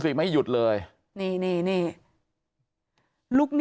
แสงพล